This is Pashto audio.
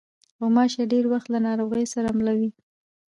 غوماشې ډېری وخت له ناروغیو سره مله وي.